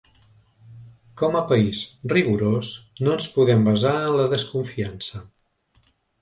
Com a país rigorós, no ens podem basar en la desconfiança.